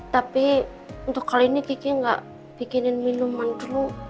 tapi untuk kali ini kiki nggak bikinin minuman dulu